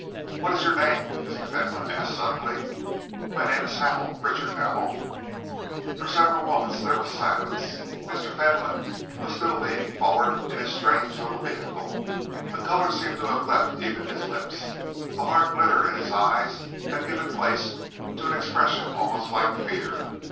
"What is your name?" Mr. Fentolin asked suddenly. "My name is Hamel Richard Hamel." For several moments there was silence. Mr. Fentolin was still leaning forward in his strange little vehicle. The colour seemed to have left even his lips. The hard glitter in his eyes had given place to an expression almost like fear.